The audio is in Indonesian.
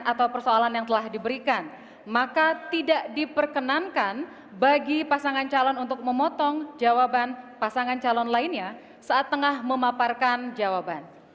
atau persoalan yang telah diberikan maka tidak diperkenankan bagi pasangan calon untuk memotong jawaban pasangan calon lainnya saat tengah memaparkan jawaban